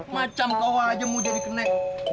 macam kau aja mau jadi kenek